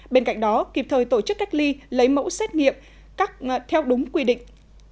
bên cạnh đó kịp thời tổ chức cách ly lấy mẫu xét nghiệm theo đúng quy định